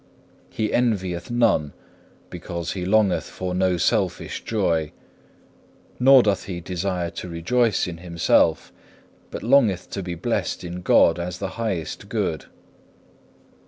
He envieth none, because he longeth for no selfish joy; nor doth he desire to rejoice in himself, but longeth to be blessed in God as the highest good.